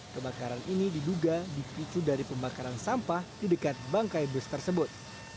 kebakaran ini diduga dipicu dari pembakaran sampah di dekat bangkai bus tersebut